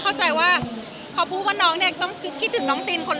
เพราะว่ายังไงเป็นความมีปัญหาต่อมาแล้วเหมือนกันนะคะ